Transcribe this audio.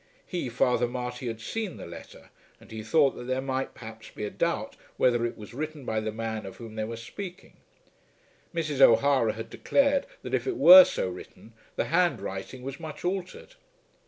He, Father Marty, had seen the letter; and he thought that there might perhaps be a doubt whether it was written by the man of whom they were speaking. Mrs. O'Hara had declared that if it were so written the handwriting was much altered.